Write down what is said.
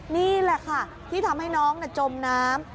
นี่แหละค่ะที่ทำให้น้องจมน้ำ